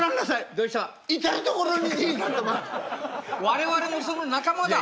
我々もその仲間だ。